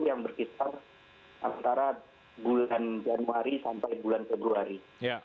yang berkisar antara bulan januari sampai bulan februari